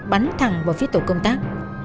bắn thẳng vào phía tổ công tác